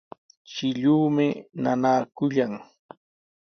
Shilluumi nanaakullan.